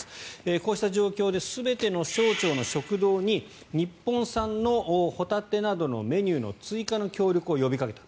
こうした状況で全ての省庁の食堂に日本産のホタテなどのメニューの追加の協力を呼びかけた。